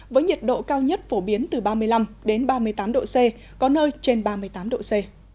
với nhiệt độ cao nhất phổ biến từ ba mươi năm ba mươi tám độ c có nơi trên ba mươi tám độ c